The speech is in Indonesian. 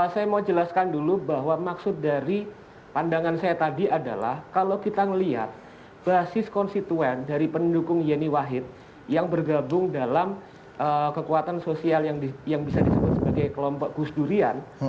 saya mau jelaskan dulu bahwa maksud dari pandangan saya tadi adalah kalau kita melihat basis konstituen dari pendukung yeni wahid yang bergabung dalam kekuatan sosial yang bisa disebut sebagai kelompok gus durian